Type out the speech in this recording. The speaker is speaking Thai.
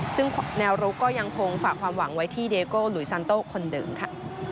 ซึ่งแนวรุกก็ยังคงฝากความหวังไว้ที่เดโก้หลุยซันโต้คนเดิมค่ะ